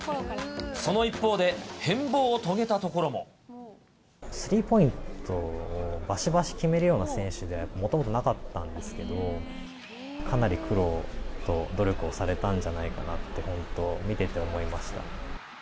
その一方で、スリーポイントをばしばし決めるような選手ではもともとなかったんですけど、かなり苦労と努力をされたんじゃないかなって、本当、見ていて思いました。